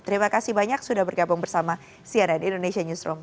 terima kasih banyak sudah bergabung bersama cnn indonesia newsroom